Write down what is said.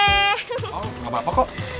oh nggak apa apa kok